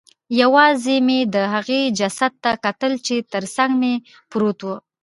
یوازې مې د هغې جسد ته کتل چې ترڅنګ مې پروت و